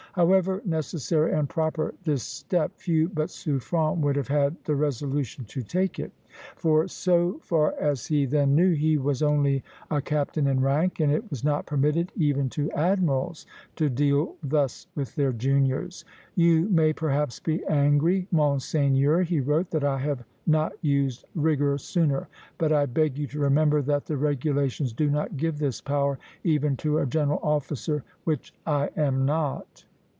However necessary and proper this step, few but Suffren would have had the resolution to take it; for, so far as he then knew, he was only a captain in rank, and it was not permitted even to admirals to deal thus with their juniors. "You may perhaps be angry, Monseigneur," he wrote, "that I have not used rigor sooner; but I beg you to remember that the regulations do not give this power even to a general officer, which I am not."